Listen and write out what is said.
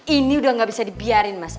ini udah gak bisa dibiarin mas